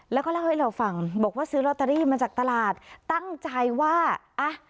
แล้วก็เล่าให้เราฟังบอกว่าซื้อลอตเตอรี่มาจากตลาดตั้งใจว่าอ่ะ